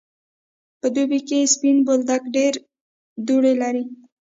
په دوبی کی سپین بولدک ډیری دوړی لری.